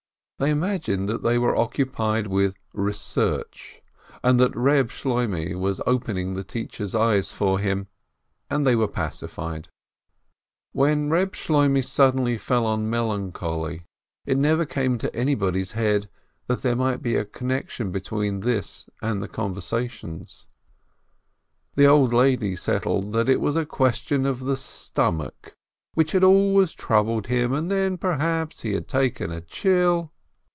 They imagined that they were occupied with research, and that Eeb Shloimeh was opening the teacher's eyes for him — and they were pacified. When Eeb Shloimeh 332 PINSKI suddenly fell on melancholy, it never came into anyone's head that there might be a connection between this and the conversations. The old lady settled that it was a question of the stomach, which had always troubled him, and that perhaps he had taken a chill.